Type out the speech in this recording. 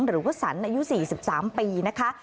หรือว่าสันอายุ๔๓ปีนะคะ